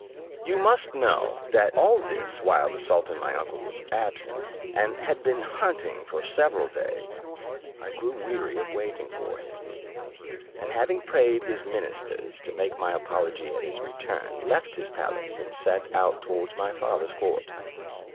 You must know, that all this while the sultan my uncle was absent, and had been hunting for several days; I grew weary of waiting for him, and having prayed his ministers to make my apology at his return, left his palace, and set out towards my father's court.